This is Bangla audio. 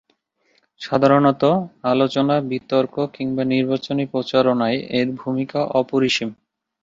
সাধারণতঃ আলোচনা, বিতর্ক কিংবা নির্বাচনী প্রচারণায় এর ভূমিকা অপরিসীম।